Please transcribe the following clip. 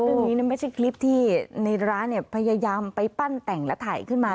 ไม่ใช่คลิปที่ในร้านพยายามไปปั้นแต่งและถ่ายขึ้นมา